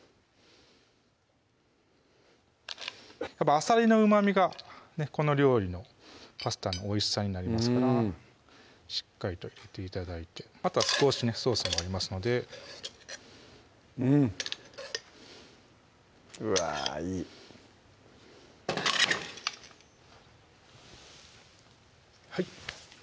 あさりのうまみがこの料理のパスタのおいしさになりますからしっかりと入れて頂いてあとは少しねソースもありますのでうわぁいいはい